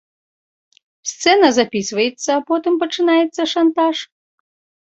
Сцэна запісваецца, а потым пачынаецца шантаж.